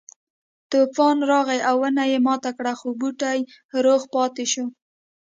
طوفان راغی او ونه یې ماته کړه خو بوټی روغ پاتې شو.